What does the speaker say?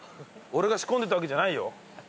俺が仕込んでたわけじゃないよ。